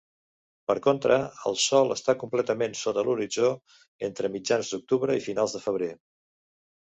Per contra, el sol està completament sota l'horitzó entre mitjans d'octubre i finals de febrer.